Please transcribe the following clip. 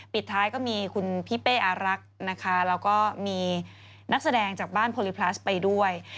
ปิดท้ายก็มีคุณพี่เป้อารักษ์นะคะแล้วก็มีนักแสดงจากบ้านโพลิพลัสไปด้วย